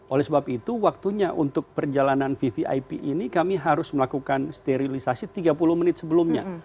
oleh sebab itu waktunya untuk perjalanan vvip ini kami harus melakukan sterilisasi tiga puluh menit sebelumnya